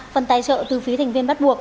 phần tài trợ từ phí thành viên bắt buộc